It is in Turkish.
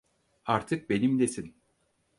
Artık benimlesin.